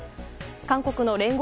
韓国の聯合